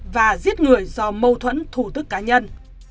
và giết người do mâu thuẫn thủ tức cá nhân